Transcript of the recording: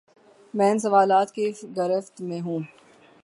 میں ان سوالات کی گرفت میں ہوں۔